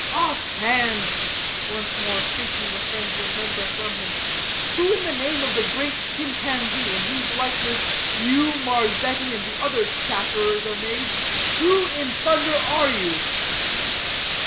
"Off hands;" once more shaking the friendly member from him. "Who in the name of the great chimpanzee, in whose likeness, you, Marzetti, and the other chatterers are made, who in thunder are you?"